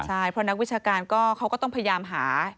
ใช่เพราะนักวิชาการก็เขาก็ต้องพยายามหา